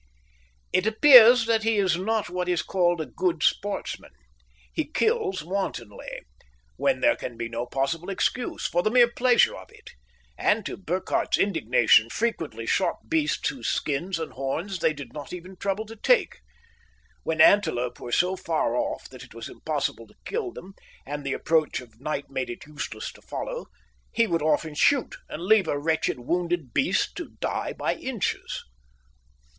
It appears that he is not what is called a good sportsman. He kills wantonly, when there can be no possible excuse, for the mere pleasure of it; and to Burkhardt's indignation frequently shot beasts whose skins and horns they did not even trouble to take. When antelope were so far off that it was impossible to kill them, and the approach of night made it useless to follow, he would often shoot, and leave a wretched wounded beast to die by inches.